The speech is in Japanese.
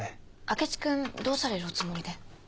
明智君どうされるおつもりで？